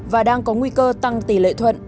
và đang có nguy cơ tăng tỷ lệ thuận